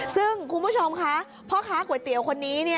ซึ่งคุณผู้ชมค่ะพ่อค้าก๋วยเตี๋ยวคนนี้